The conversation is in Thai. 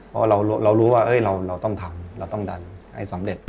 เพราะเรารู้ว่าเราต้องทำเราต้องดันให้สำเร็จ